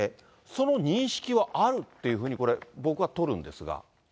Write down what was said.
その認識はあるっていうふうに、これ、僕は取るんですが。